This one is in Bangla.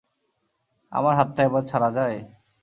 আমার হাতটা এবার ছাড়া যায়?